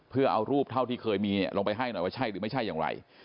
เพื่อเอารูปเท่าที่เคยมีลงไปให้หน่อยว่าใช่หรือไม่ใช่อย่างไร